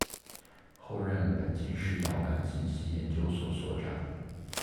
后任北京市遥感信息研究所所长。